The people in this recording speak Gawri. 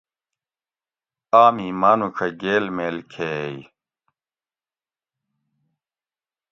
آمی ماۤنوڄہ گیل میل کھیئ